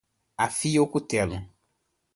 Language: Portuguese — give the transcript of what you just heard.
Afiar o cutelo